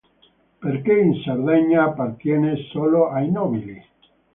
Perché in Sardegna appartiene solo ai nobili.